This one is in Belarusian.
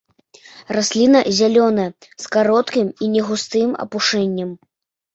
Расліна зялёная, з кароткім і негустым апушэннем.